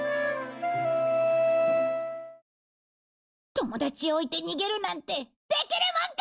友達を置いて逃げるなんてできるもんか！